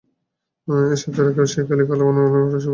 এসব ছাড়া কেবল ঘষিয়াখালী খাল খনন করে সুফল পাওয়া যাবে না।